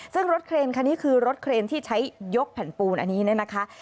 ซึ่งรถเครนคันนี้คือรถเครนที่ใช้ยกแผ่นปูนอันนี้เนี่ยนะคะ